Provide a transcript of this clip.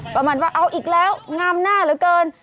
ประมาณว่าเอาอีกแล้วงามหน้าเหลือเกิน